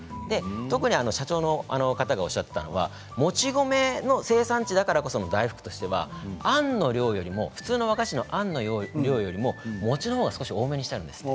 特に社長の方がおっしゃっていたのはもち米の生産地だからこそ大福としてはあんの量よりも和菓子の餅のほうが少し多めにしてあるんです。